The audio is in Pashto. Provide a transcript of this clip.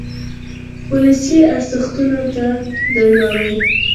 ولسي ارزښتونو ته درناوی.